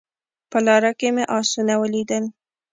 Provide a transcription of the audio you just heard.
په لاره کې مې اسونه ولیدل